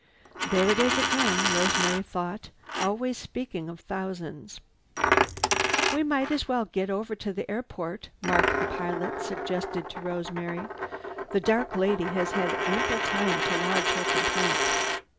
"There it is again," Rosemary thought. "Always speaking of thousands." "We might as well get over to the airport," Mark, the pilot, suggested to Rosemary. "The dark lady has had ample time to lodge her complaint."